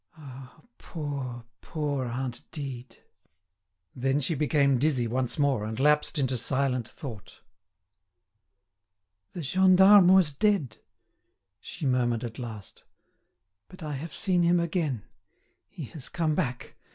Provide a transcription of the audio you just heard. Ah! poor, poor aunt Dide!" Then she became dizzy once more, and lapsed into silent thought. "The gendarme was dead," she murmured at last, "but I have seen him again; he has come back.